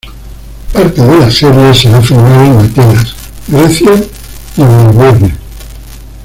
Parte de la serie será filmada en Atenas, Grecia y en Melbourne.